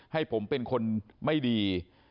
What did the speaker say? ให้ผมเป็นคนไม่ดี